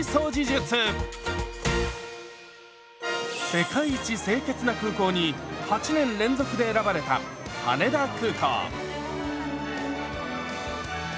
「世界一清潔な空港」に８年連続で選ばれた羽田空港。